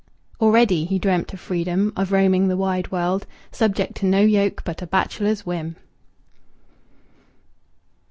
Already he dreamt of freedom, of roaming the wide world, subject to no yoke but a bachelor's whim.